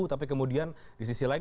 tapi kemudian di sisi lain